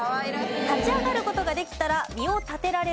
立ち上がる事ができたら身を立てられる出世する。